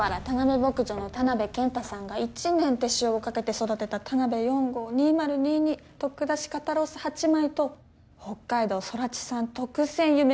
牧場の田辺健太さんが一年手塩にかけて育てた田辺４号２０２２特出し肩ロース８枚と北海道空知産特選ゆめ